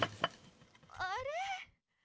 あれ？